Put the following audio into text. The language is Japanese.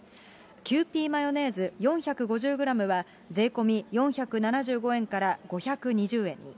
キユーピーマヨネーズ４５０グラムは税込み４７５円から５２０円に。